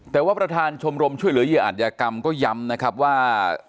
แต่ว่าประธานชมรมช่วยเหลือเหยื่ออาจยากรรมก็ย้ำนะครับว่า